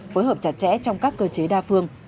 phối hợp chặt chẽ trong các cơ chế đa phương